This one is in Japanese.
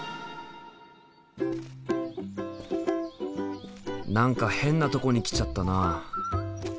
何か変なとこに来ちゃったな。